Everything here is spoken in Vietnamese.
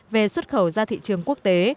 về xuất khẩu ra thị trường quốc tế